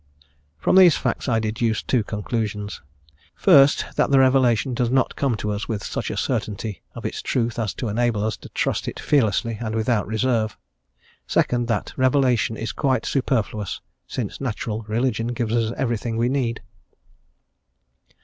From these facts I deduce two conclusions: first, that revelation does not come to us with such a certainty of its truth as to enable us to trust it fearlessly and without reserve; second, that revelation is quite superfluous, since natural religion gives us every thing we need.